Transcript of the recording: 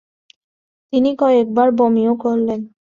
তিনি কয়েক বার বমিও করলেন।